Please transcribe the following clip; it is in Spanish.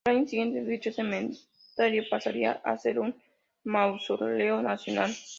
Al año siguiente, dicho cementerio pasaría a ser un mausoleo nacional.